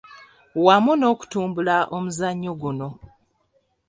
Wamu n’okutumbula omuzannyo guno.